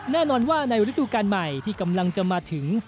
แน่นอนว่าในฤดูการใหม่ที่กำลังจะมาถึง